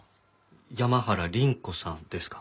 山原倫子さんですか？